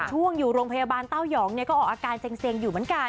ช่วงอยู่โรงพยาบาลเต้ายองก็ออกอาการเซ็งอยู่เหมือนกัน